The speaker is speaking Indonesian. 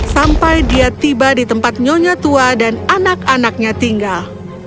sampai dia tiba di tempat nyonya tua dan anak anaknya tinggal